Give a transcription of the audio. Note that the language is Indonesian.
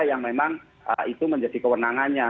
yang memang itu menjadi kewenangannya